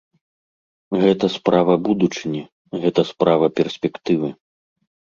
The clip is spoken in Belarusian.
Гэта справа будучыні, гэта справа перспектывы.